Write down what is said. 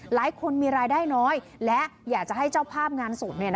หลายคนมีรายได้น้อยและอยากจะให้เจ้าภาพงานศพ